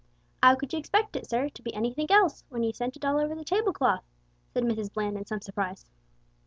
"'Ow could you expect it, sir, to be anythink else, w'en you've sent it all over the table cloth?" said Mrs Bland, in some surprise.